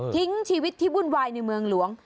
ทิ้งชีวิตที่วุ่นวายในเมืองหลวง